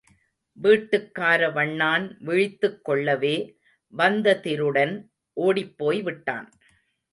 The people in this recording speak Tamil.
வீட்டுக்கார வண்ணான் விழித்துக் கொள்ளவே, வந்த திருடன் ஓடிப்போய் விட்டான்.